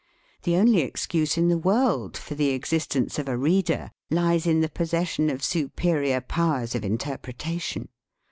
The only excuse in the world for the existence of a reader lies in the possession of superior powers of inter pretation.